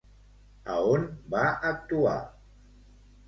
A on va actuar?